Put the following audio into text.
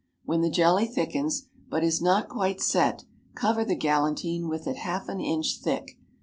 When the jelly thickens, but is not quite set, cover the galantine with it half an inch thick.